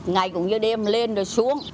ngày cũng như đêm lên rồi xuống